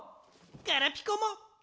ガラピコも！